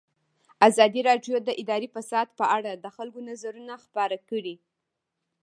ازادي راډیو د اداري فساد په اړه د خلکو نظرونه خپاره کړي.